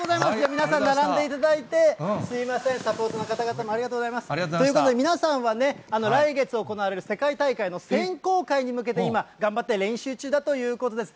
皆さん並んでいただいて、すみません、サポートの方々もありがとうございます。ということで、皆さんはね、来月行われる世界大会の選考会に向けて今、頑張って練習中だということです。